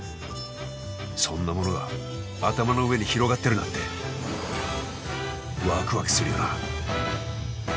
そんなものが頭の上に広がってるなんてわくわくするよなあ？